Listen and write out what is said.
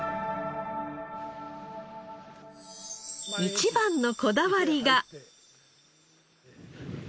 一番のこだわりが。